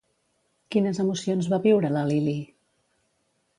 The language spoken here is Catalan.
Quines emocions va viure la Lilí?